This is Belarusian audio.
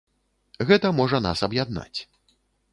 Гэта можа нас аб'яднаць.